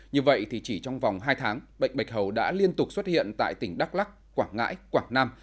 như vậy thì chỉ trong vòng hai tháng bệnh bạch hầu đã liên tục xuất hiện tại tỉnh đắk lắc quảng ngãi quảng nam